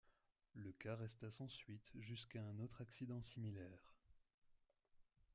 Le cas resta sans suite jusqu'à un autre accident similaire.